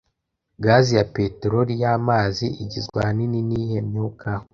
Gazi ya peteroli yamazi igizwe ahanini niyihe myuka